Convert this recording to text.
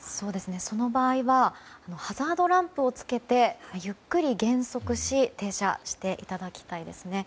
その場合はハザードランプをつけてゆっくり減速し停車していただきたいですね。